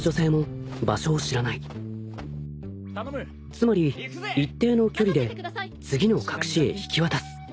［つまり一定の距離で次の隠へ引き渡す］